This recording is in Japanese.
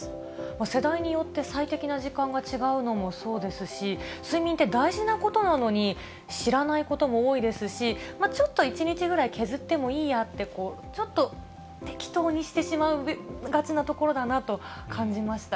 世代によって最適な時間が違うのもそうですし、睡眠って大事なことなのに、知らないことも多いですし、ちょっと１日ぐらい削ってもいいやって、ちょっと、適当にしてしまいがちなところだなと感じました。